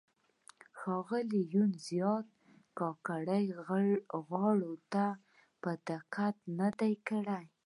ښاغلي یون زیاتو کاکړۍ غاړو ته پوره دقت نه دی کړی.